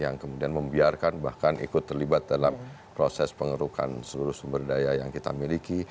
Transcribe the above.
yang kemudian membiarkan bahkan ikut terlibat dalam proses pengerukan seluruh sumber daya yang kita miliki